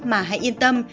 mà hãy yên tâm